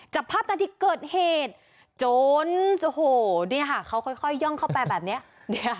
จับภาพนาทีเกิดเหตุจนโอ้โหเนี่ยค่ะเขาค่อยย่องเข้าไปแบบนี้